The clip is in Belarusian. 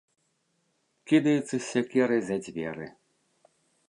Кідаецца з сякерай за дзверы.